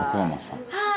はい！